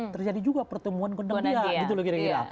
terjadi juga pertemuan kondak biaya gitu loh kira kira